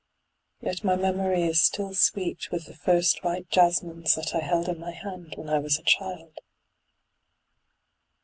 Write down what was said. Yet my memory is still sweet with the first white jasmines that I held in my hand when I was a child.